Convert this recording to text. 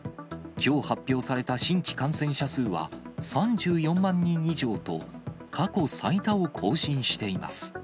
きょう発表された新規感染者数は、３４万人以上と、過去最多を更新しています。